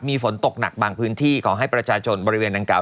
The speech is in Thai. มีฝนตกหนักบางพื้นที่ขอให้ประชาชนบริเวณดังกล่า